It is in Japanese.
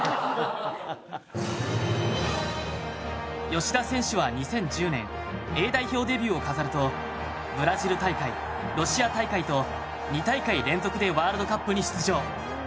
吉田選手は２０１０年Ａ代表デビューを飾るとブラジル大会、ロシア大会と２大会連続でワールドカップに出場。